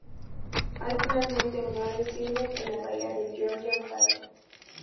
Hay finalmente un Nares Inlet, en la bahía de Georgia, Ontario.